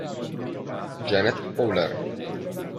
Janet Fowler